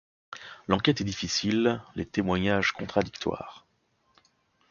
L'enquête est difficile, les témoignages contradictoires.